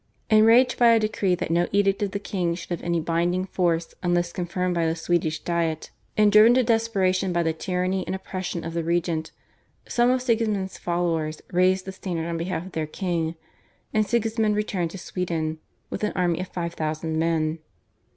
Enraged by a decree that no edict of the king should have any binding force unless confirmed by the Swedish Diet, and driven to desperation by the tyranny and oppression of the regent, some of Sigismund's followers raised the standard on behalf of their king, and Sigismund returned to Sweden with an army of five thousand men.